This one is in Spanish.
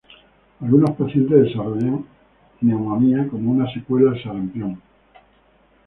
Algunos pacientes desarrollarán neumonía como una secuela al sarampión.